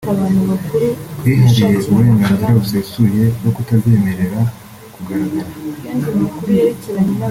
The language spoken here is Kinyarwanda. twihariye uburenganzira busesuye bwo kutabyemerera kugaragara